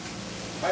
はい。